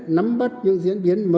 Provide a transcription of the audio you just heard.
nắm bắt những diễn biến mới